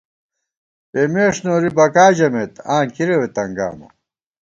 پېمېݭ نوری بَکا ژَمېت، آں کِرَوے تنگامہ